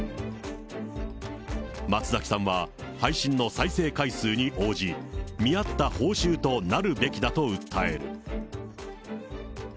松崎さんは配信の再生回数に応じ、見合った報酬となるべきだと訴える。